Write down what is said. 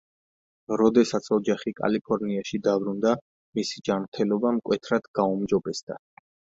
როდესაც ოჯახი კალიფორნიაში დაბრუნდა, მისი ჯანმრთელობა მკვეთრად გაუმჯობესდა.